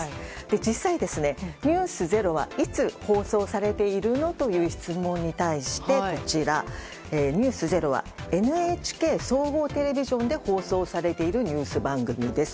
実際に「ｎｅｗｓｚｅｒｏ」はいつ放送されているの？という質問に対して「ｎｅｗｓｚｅｒｏ」はＮＨＫ総合テレビジョンで放送されているニュース番組です。